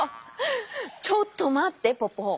ちょっとまってポポ！